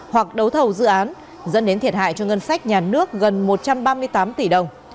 hoặc đấu thầu dự án dẫn đến thiệt hại cho ngân sách nhà nước gần một trăm ba mươi tám tỷ đồng